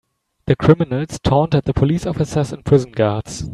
The criminals taunted the police officers and prison guards.